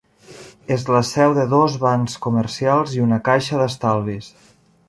És la seu de dos bancs comercials i una caixa d'estalvis.